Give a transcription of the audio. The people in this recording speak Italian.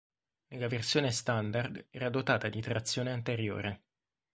Nella versione standard era dotata di trazione anteriore.